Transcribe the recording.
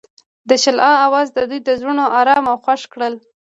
د شعله اواز د دوی زړونه ارامه او خوښ کړل.